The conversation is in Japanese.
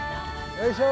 よいしょ！